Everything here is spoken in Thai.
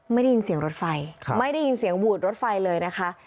ไม่ได้ยินเสียงรถไฟไม่ได้ยินเสียงหวูดรถไฟเลยนะคะ